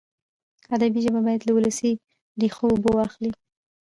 ادبي ژبه باید له ولسي ریښو اوبه واخلي.